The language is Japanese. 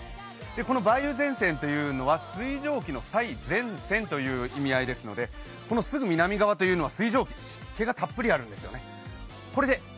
この梅雨前線というのは水蒸気の最前線という意味合いですのでその南側というのが水蒸気湿気がたっぷりあるということなんですね。